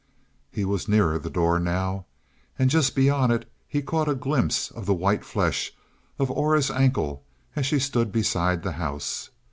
He was nearer the door now, and just beyond it he caught a glimpse of the white flesh of Aura's ankle as she stood beside the house.